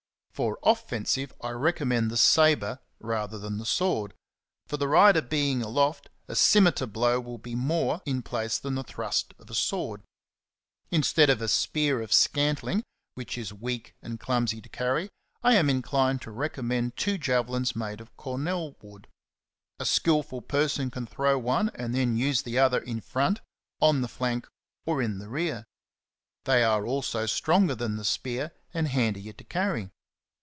For offensive, I recommend the sabre ^^ rather than the sword; for the rider being aloft, a scimitar blow will be more in 68 XENOPHON ON HORSEMANSHIP. place than the thrust of a sword. Instead of a spear of scantHng, which is weak and clumsy to carry, I am inclined to recommend two javelins ^9 made of cornel wood. A skil ful person can throw one and then use the other in front, on the flank, or in the rear. They are also stronger than the spear and handier to carry.